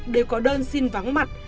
đều có đơn xin vắng mặt